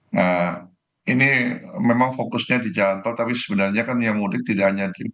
nah ini memang fokusnya di jalan tol tapi sebenarnya kan yang mudik tidak hanya di